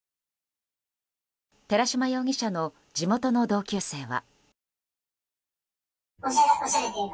寺島容疑者の地元の同級生は。